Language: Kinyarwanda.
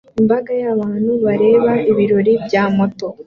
Imbaga y'abantu bareba ibirori bya moto